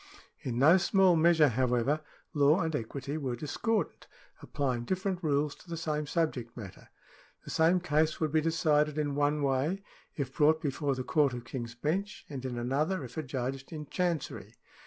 In no small measure, however, law and equity were discordant, applying different rules to the same subject matter. The same case would be decided in one way, if brought before the Court of King's Bench, and in another, if adjudged in Chancery.